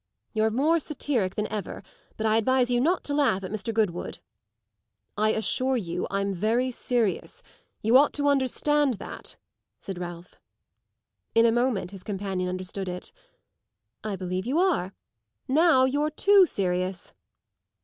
"You're more satiric than ever, but I advise you not to laugh at Mr. Goodwood." "I assure you I'm very serious; you ought to understand that," said Ralph. In a moment his companion understood it. "I believe you are; now you're too serious."